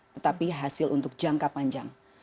tetapi hasil untuk jangka panjang